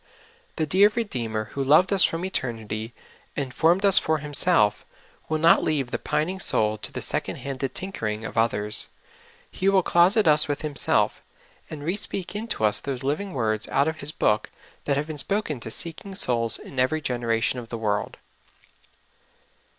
The dear Redeemer who loved us from eternity, and '' formed us for Himself, '' will not leave the pining soul to the second handed tinkering of others ; He will closet us with Himself, and re speak into us those living words out of His Book that have been spoken to seeking souls in every generation of the world.